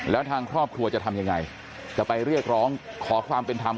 แล้วทางครอบครัวจะทำยังไงจะไปเรียกร้องขอความเป็นธรรม